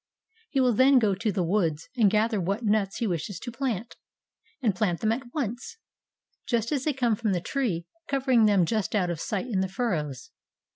He will then go to the woods and gather what nuts he wishes to plant, and plant them at once, just as they come from the tree, covering them just out of sight in the furrows.